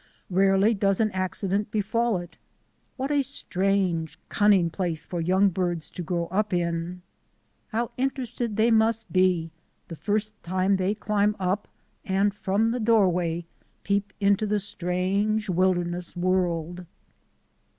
Rarely does an accident befall it. What a strange, cunning place for young birds to grow up in! How interested they must be the first time they climb up and from the doorway peep into the strange wilderness world.